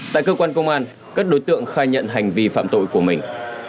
tại cơ quan công an các đối tượng khai nhận hành vi phạm tội của mình